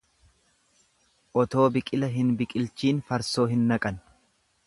Otoo biqila hin biqilchiin farsoo hin naqan.